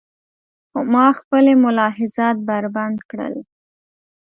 خو ما خپلې ملاحظات بربنډ کړل.